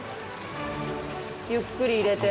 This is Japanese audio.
ゆっくり入れて。